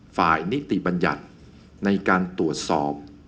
นิติบัญญัติในการตรวจสอบ